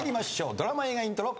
ドラマ・映画イントロ。